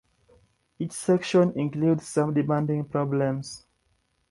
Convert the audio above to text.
Each section includes some demanding problems.